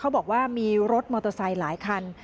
บอกว่ามีรถมอเตอร์ไซค์หลายคัน